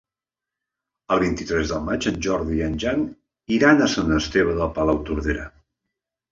El vint-i-tres de maig en Jordi i en Jan iran a Sant Esteve de Palautordera.